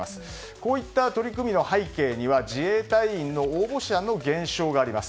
こういった取り組みの背景には自衛隊員の応募者の減少があります。